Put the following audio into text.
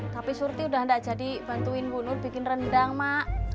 tapi surti sudah tidak jadi bantuin bu nur bikin rendang mak